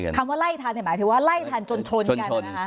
คำว่าไล่ทันหมายถึงว่าไล่ทันจนชนกัน